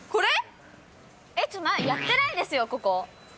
ちょっとやってないですよ、ここ。